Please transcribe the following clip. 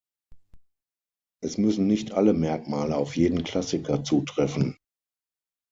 Es müssen nicht alle Merkmale auf jeden Klassiker zutreffen.